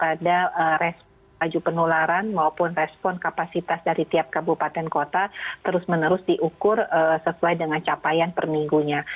jadi setiap dua minggu level daripada resmi penularan maupun respon kapasitas dari tiap kabupaten kota terus menerus diukur sesuai dengan capaian per minggunya